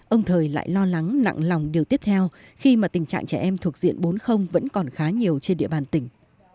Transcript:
ông thời lại lo lắng nặng lòng điều tiếp theo khi mà tình trạng trẻ em thuộc diện bốn vẫn còn khá nhiều trên địa bàn tỉnh